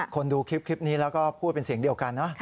คนดูคลิปนี้แล้วก็พูดเป็นเสียงเดียวกันนะ